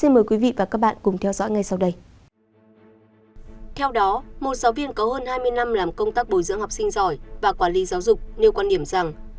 theo đó một giáo viên có hơn hai mươi năm làm công tác bồi dưỡng học sinh giỏi và quản lý giáo dục nêu quan điểm rằng